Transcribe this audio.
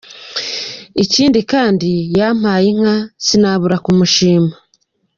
Ikindi kandi yampaye inka sinabura kumushima.